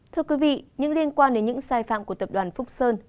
thưa quý vị những liên quan đến những sai phạm của tập đoàn phúc sơn